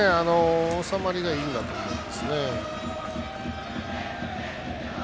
収まりがいいなと思います。